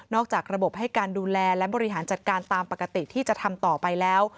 จากระบบให้การดูแลและบริหารจัดการตามปกติที่จะทำต่อไปแล้ว